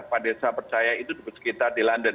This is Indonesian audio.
pak desra percaya itu dupes kita di london